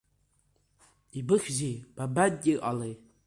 Ибыхьзеи, бабантиҟалеи?